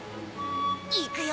いくよ！